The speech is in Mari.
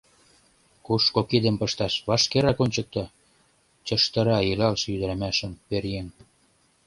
— Кушко кидым пышташ, вашкерак ончыкто! — чыштыра илалше ӱдырамашым пӧръеҥ.